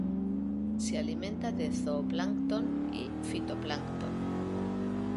Se alimenta de zooplancton y fitoplancton.